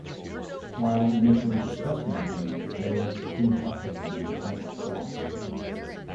While initially distrusting King, Blade teamed up with him to hunt Frost.